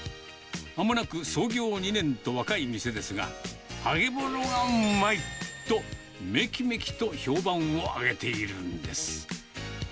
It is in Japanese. まもなく創業２年と若い店ですが、揚げ物がうまいとめきめきと評判を上げているんです。